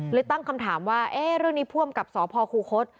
หรือตั้งคำถามว่าเรื่องนี้พ่วงกับสอพครูคต